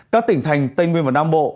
các tỉnh thành tây nguyên và nam bộ